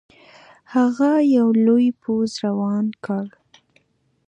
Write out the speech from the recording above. هغه یو لوی پوځ روان کړ.